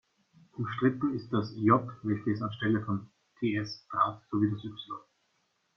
Umstritten ist das „j“, welches an Stelle von „ts“ trat, sowie das „y“.